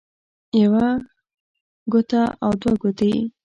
يوه ګوته او دوه ګوتې